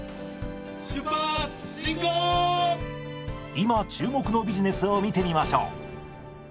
今注目のビジネスを見てみましょう。